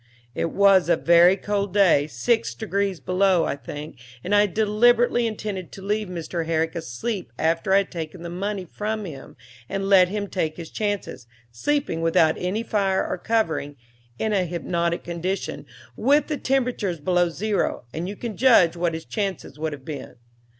"'It was a very cold day, six degrees below, I think, and I had deliberately intended to leave Mr. Herrick asleep after I had taken the money from him and let him take his chances, sleeping without any fire or covering, in an hypnotic condition, with the temperature below zero, and you can judge what his chances would have been.